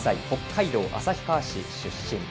北海道旭川市出身。